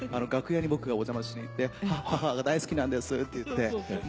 楽屋に僕がお邪魔しに行って母が大好きなんですっていって。